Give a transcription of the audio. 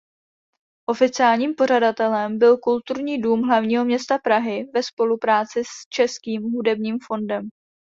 Oficiálním pořadatelem byl Kulturní dům hlavního města Prahy ve spolupráci s Českým hudebním fondem.